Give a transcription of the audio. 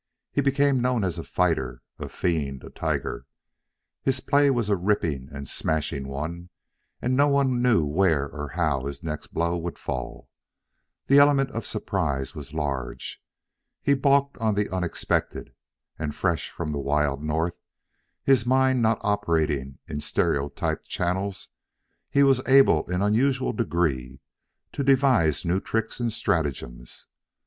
He became known as a fighter, a fiend, a tiger. His play was a ripping and smashing one, and no one knew where or how his next blow would fall. The element of surprise was large. He balked on the unexpected, and, fresh from the wild North, his mind not operating in stereotyped channels, he was able in unusual degree to devise new tricks and stratagems.